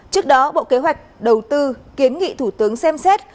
trước đó bộ kế hoạch đầu tư kiến nghị thủ tướng xem xét